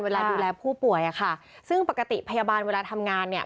ดูแลผู้ป่วยอ่ะค่ะซึ่งปกติพยาบาลเวลาทำงานเนี่ย